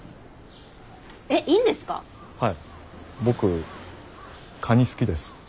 僕カニ好きです。